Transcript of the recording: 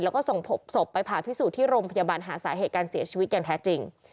แล้วก็ส่งพบศพไปผ่าพิสูจน์ที่โรงพยาบาลหาสาเหตุการเสียชีวิตอย่างแท้จริง